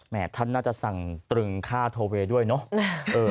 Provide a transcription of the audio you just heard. ท่านน่าจะสั่งตรึงค่าโทเวย์ด้วยเนาะ